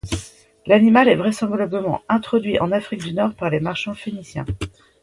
L'animal est vraisemblablement introduit en Afrique du Nord par les marchands phéniciens.